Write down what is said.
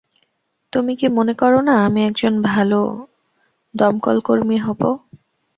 তুমি কি মনে করো না আমি একজন ভালো দমকলকর্মী হব?